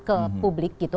ke publik gitu